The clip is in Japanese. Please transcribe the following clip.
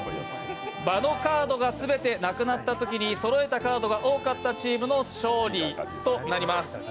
場のカードが全てなくなったときにそろえたカードが多かったチームが勝利となります。